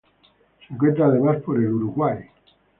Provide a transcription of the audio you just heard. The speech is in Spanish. Se encuentra, además, por el Uruguay.